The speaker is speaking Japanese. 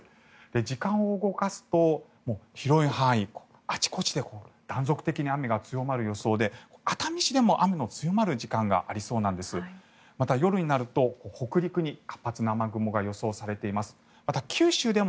時間を動かすと広い範囲、あちこちで断続的に雨が強まる予想で熱海市でも雨の強まる時間がありそうなんです。